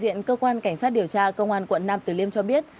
đại diện cơ quan cảnh sát điều tra công an quận nam tử liêm cho biết